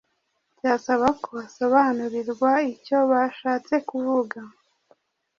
byasaba ko asobanurirwa icyo bashatse kuvuga.